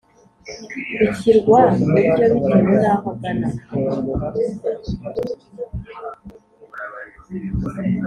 bishyirwa buryo bitewe n’aho agana